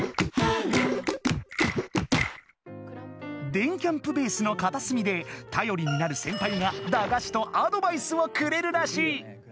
電キャんぷベースのかたすみでたよりになるセンパイが駄菓子とアドバイスをくれるらしい。